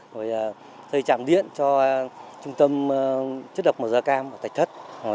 rồi xây trạm điện cho trung tâm chất độc màu da cam và tạch thất